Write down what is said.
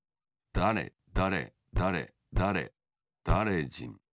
だれだれだれだれだれじん。